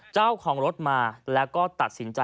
เจ้าของรถมาแล้วก็ตัดสินใจ